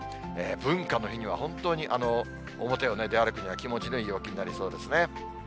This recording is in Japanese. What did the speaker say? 文化の日には本当に表を出歩くには、気持ちのいい陽気になりそうですね。